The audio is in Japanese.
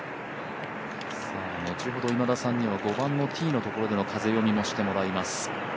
後ほど今田さんには５番のティーのところでの風読みもしてもらいます。